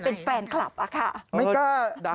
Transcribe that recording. เป็นแฟนคลับอะค่ะ